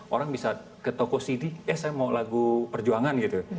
orang bisa ke toko city eh saya mau lagu perjuangan gitu